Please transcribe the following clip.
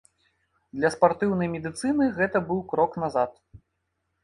Для спартыўнай медыцыны гэта быў крок назад.